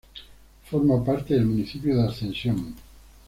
Forma parte del municipio de Ascensión.